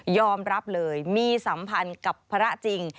อมรับเลยมีสัมพันธ์กับพระจริง